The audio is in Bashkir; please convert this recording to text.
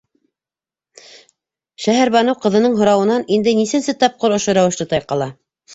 - Шәһәрбаныу ҡыҙының һорауынан инде нисәнсе тапҡыр ошо рәүешле тайҡала.